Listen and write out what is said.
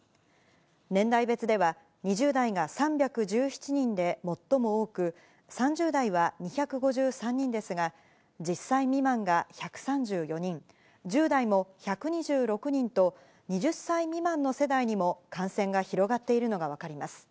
年代別では、２０代が３１７人で最も多く、３０代は２５３人ですが、１０歳未満が１３４人、１０代も１２６人と、２０歳未満の世代にも感染が広がっているのが分かります。